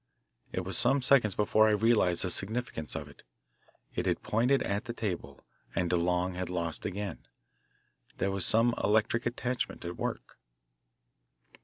It was some seconds before I realised the significance of it. It had pointed at the table and DeLong had lost again. There was some electric attachment at work.